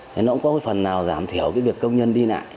thế nó cũng có phần nào giảm thiểu cái việc công nhân đi lại